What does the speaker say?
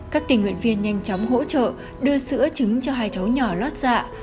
các tình nguyện viên nhanh chóng hỗ trợ đưa sữa trứng cho hai cháu nhỏ lót dạ